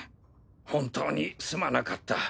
本当にすまなかった。